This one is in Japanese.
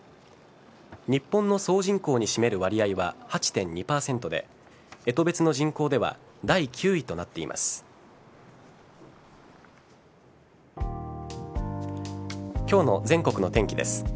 日本の総人口に占める割合は８．２％で干支別の人口では第９位となっています。